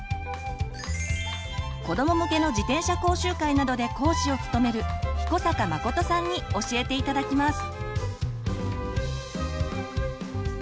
子ども向けの自転車講習会などで講師を務める彦坂誠さんに教えて頂きます。